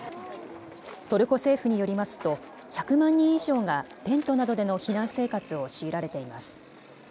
トルコ政府によりますと１００万人以上がテントなどでの避難生活を強いられています。